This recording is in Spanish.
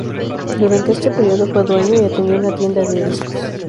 Durante este periodo fue dueño y atendía una tienda de discos.